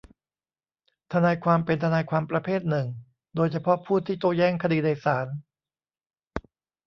ทนายความเป็นทนายความประเภทหนึ่งโดยเฉพาะผู้ที่โต้แย้งคดีในศาล